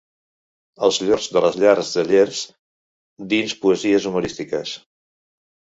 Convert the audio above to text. «Els llors de les llars de Llers» dins Poesies humorístiques.